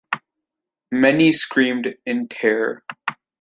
Many screamed in terror.